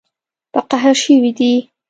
په قهر شوي دي